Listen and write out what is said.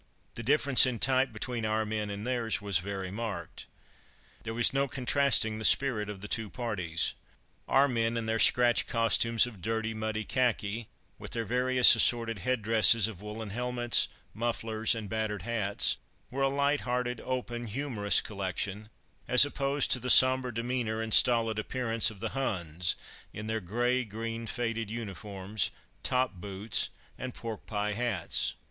The difference in type between our men and theirs was very marked. There was no contrasting the spirit of the two parties. Our men, in their scratch costumes of dirty, muddy khaki, with their various assorted headdresses of woollen helmets, mufflers and battered hats, were a light hearted, open, humorous collection as opposed to the sombre demeanour and stolid appearance of the Huns in their grey green faded uniforms, top boots, and pork pie hats.